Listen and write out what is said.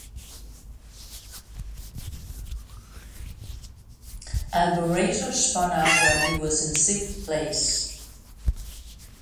Alboreto spun out while he was in sixth place.